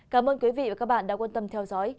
cảm ơn quý vị và các bạn đã quan tâm theo dõi